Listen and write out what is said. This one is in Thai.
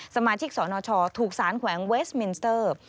สมาชิกสนชถูกสารแขวงเวสมินเตอร์